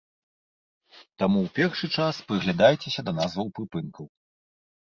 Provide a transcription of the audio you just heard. Таму ў першы час прыглядайцеся да назваў прыпынкаў.